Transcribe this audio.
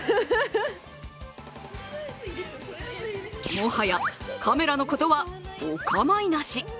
もはやカメラのことはお構いなし。